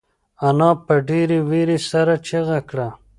انا په ډېرې وېرې سره چیغه کړه.